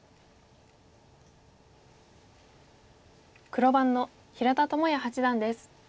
黒番の平田智也八段です。